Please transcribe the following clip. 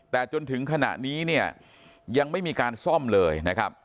แต่จนถึงขณะนี้เนี่ยยังไม่มีการซ่อมเลยนะครับ